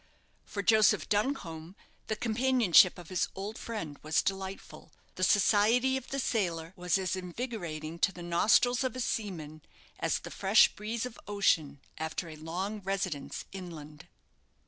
For Joseph Duncombe the companionship of his old friend was delightful. The society of the sailor was as invigorating to the nostrils of a seaman as the fresh breeze of ocean after a long residence inland.